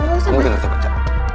mungkin kita baca